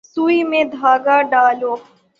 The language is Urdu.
سوئی میں دھاگہ ڈالو۔